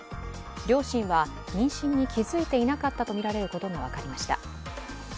両親は妊娠に気づいていなかったとみられることが分かりました。